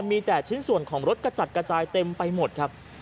มีแต่ชิ้นส่วนของรถกระจัดกระจายเต็มไปหมดครับ